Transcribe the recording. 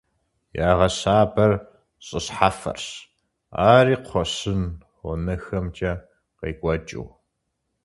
Ягъэщабэр щӏы щхьэфэрщ, ари кхъуэщын гъунэхэмкӏэ къекӏуэкӏыу.